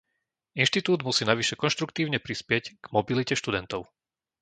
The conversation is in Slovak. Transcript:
Inštitút musí navyše konštruktívne prispieť k mobilite študentov.